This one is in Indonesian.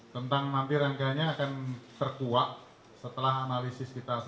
memang kita tidak tahu terutama dari pak rai